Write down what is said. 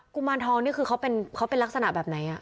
ุมารทองนี่คือเขาเป็นลักษณะแบบไหน